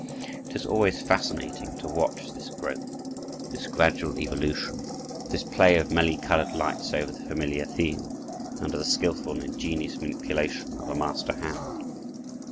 It is always fascinating to watch this growth, this gradual evolution, this play of many colored lights over the familiar theme, under the skilful and ingenious manipulation of a master hand.